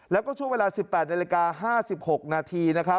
แล้วก็ช่วงเวลา๑๘น๕๖น